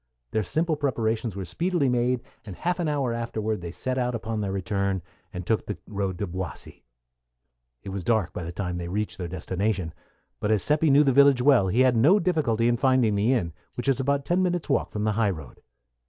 Their simple preparations were speedily made, and half an hour afterward they set out upon their return, and took the road to Boissy. It was dark by the time they reached their destination; but as Seppi knew the village well, he had no difficulty in finding the inn, which was about ten minutes' walk from the high road.